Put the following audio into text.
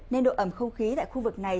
nên độ ẩm không khí tại khu vực này